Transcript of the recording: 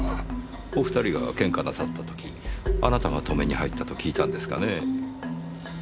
お２人がケンカなさった時あなたが止めに入ったと聞いたんですがねぇ。